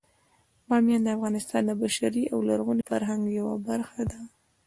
بامیان د افغانستان د بشري او لرغوني فرهنګ یوه برخه ده.